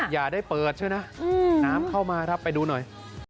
อย่าได้เปิดใช่ไหมน้ำเข้ามาครับไปดูหน่อย